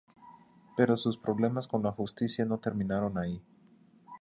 Pero sus problemas con la justicia no terminaron ahí.